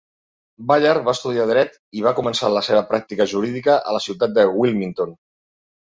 Bayard va estudiar dret i va començar la seva pràctica jurídica a la ciutat de Wilmington.